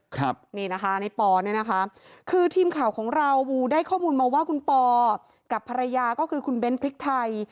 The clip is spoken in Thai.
ครับนี่นะคะในปอเนี่ยนะคะคือทีมข่าวของเราวูได้ข้อมูลมาว่าคุณปอกับภรรยาก็คือคุณเบ้นพริกไทย